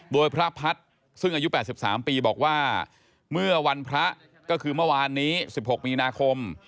โดยพระพัฒน์ซึ่งอายุ๘๓ปีบอกว่าเมื่อวันพระก็คือเมื่อวานนี้๑๖มีนาคม